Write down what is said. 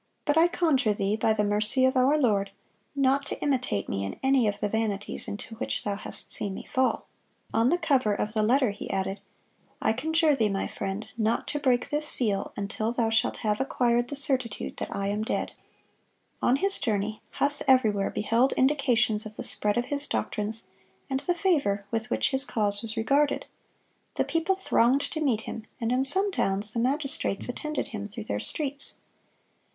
But I conjure thee, by the mercy of our Lord, not to imitate me in any of the vanities into which thou hast seen me fall." On the cover of the letter he added, "I conjure thee, my friend, not to break this seal until thou shalt have acquired the certitude that I am dead."(135) On his journey, Huss everywhere beheld indications of the spread of his doctrines, and the favor with which his cause was regarded. The people thronged to meet him, and in some towns the magistrates attended him through their streets.